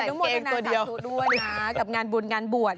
อันน้องมดนาสาธุด้วยนะกับงานบุญงานบวช